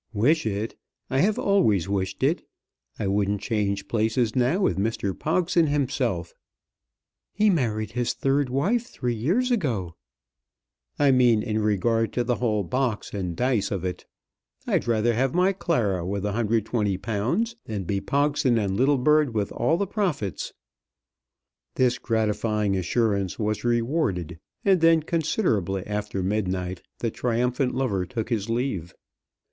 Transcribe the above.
"Wish it! I have always wished it. I wouldn't change places now with Mr. Pogson himself." "He married his third wife three years ago!" "I mean in regard to the whole box and dice of it. I'd rather have my Clara with £120, than be Pogson and Littlebird with all the profits." This gratifying assurance was rewarded, and then, considerably after midnight, the triumphant lover took his leave.